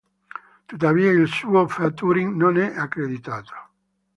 Tuttavia, il suo featuring non è accreditato.